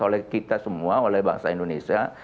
oleh kita semua oleh bangsa indonesia